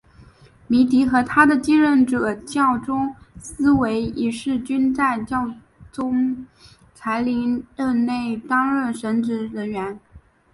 米迪和他的继任人教宗思维一世均在教宗才林任内担任神职人员。